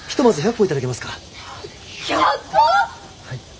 はい。